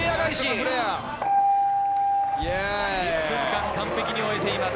１分間、完璧に終えています。